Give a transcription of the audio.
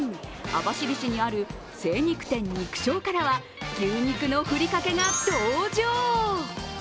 網走市にある精肉店、肉将からは牛肉のふりかけが登場。